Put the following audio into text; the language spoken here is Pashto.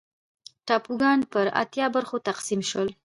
ټاپوګان پر اتیا برخو تقسیم شول.